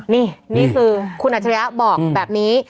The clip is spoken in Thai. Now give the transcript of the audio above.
นี่นี่คือคุณอัจฉริยะบอกแบบนี้